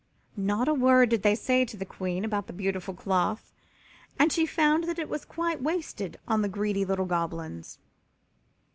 Not a word did they say to the Queen about the beautiful cloth, and she found that it was quite wasted on the greedy little Goblins.